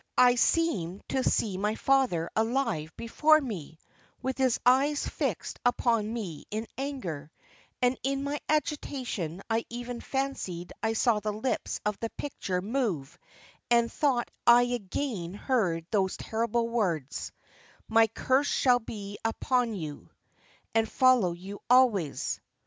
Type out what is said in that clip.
I seemed to see my father alive before me, with his eyes fixed upon me in anger; and in my agitation I even fancied I saw the lips of the picture move, and thought I again heard those terrible words, 'My curse shall be upon you, and follow you always!